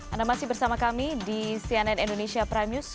anda masih bersama kami di cnn indonesia prime news